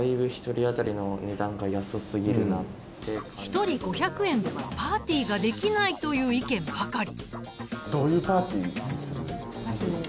一人５００円ではパーティーができないという意見ばかり。